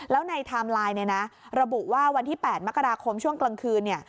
แล้วในไทม์ไลน์ระบุว่าวันที่๘มกราคมช่วงกลางคืน